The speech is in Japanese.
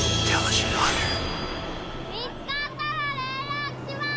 見つかったられんらくします！